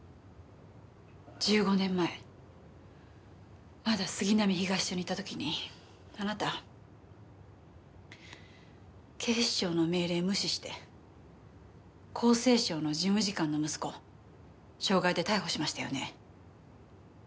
１５年前まだ杉並東署にいた時にあなた警視庁の命令無視して厚生省の事務次官の息子傷害で逮捕しましたよね？